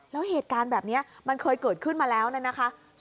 แล้วเหตุการณ์แบบนี้มันเคยเกิดขึ้นมาแล้วนะคะ